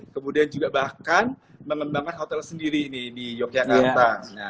kemudian juga bahkan mengembangkan hotel sendiri di yogyakarta